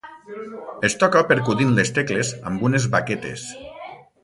Es toca percudint les tecles amb unes baquetes.